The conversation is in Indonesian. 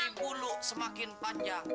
ini bulu semakin panjang